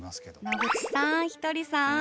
野口さんひとりさん。